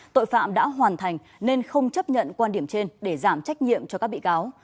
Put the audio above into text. tội phạm đã hoàn thành nên không chấp nhận quan điểm trên để giảm trách nhiệm cho các bị cáo